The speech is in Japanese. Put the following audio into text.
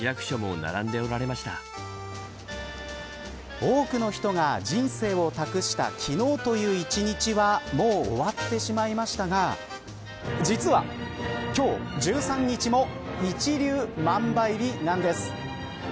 多くの人が人生を託した昨日という一日はもう終わってしまいましたが実は、今日１３日も一粒万倍日なんです。